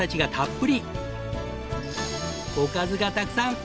おかずがたくさん！